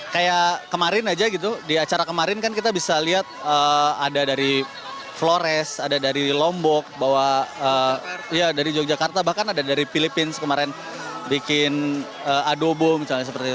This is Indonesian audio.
kayak kemarin aja gitu di acara kemarin kan kita bisa lihat ada dari flores ada dari lombok bahwa ya dari yogyakarta bahkan ada dari filipina kemarin bikin adobo misalnya seperti itu